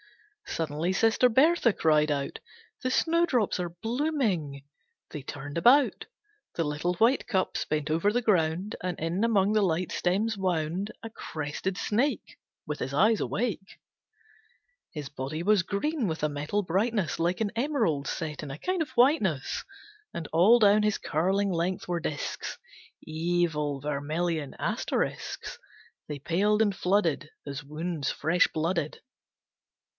Suddenly Sister Berthe cried out: "The snowdrops are blooming!" They turned about. The little white cups bent over the ground, And in among the light stems wound A crested snake, With his eyes awake. His body was green with a metal brightness Like an emerald set in a kind of whiteness, And all down his curling length were disks, Evil vermilion asterisks, They paled and flooded As wounds fresh blooded.